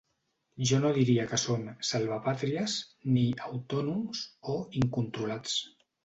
Jo no diria que són ‘salvapatrias’ ni ‘autònoms’ o ‘incontrolats’.